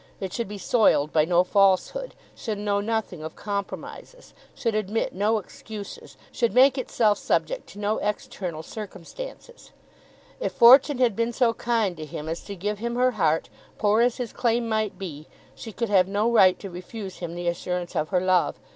It should be soiled by no falsehood, should know nothing of compromises, should admit no excuses, should make itself subject to no external circumstances. If Fortune had been so kind to him as to give him her heart, poor as his claim might be, she could have no right to refuse him the assurance of her love.